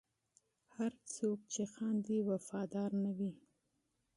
هر څوک چې خاندي، وفادار نه وي.